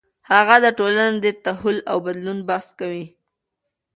هغه د ټولنې د تحول او بدلون بحث کوي.